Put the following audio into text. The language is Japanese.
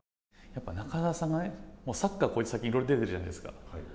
中澤さんがサッカー、いろいろ出ているじゃないですか。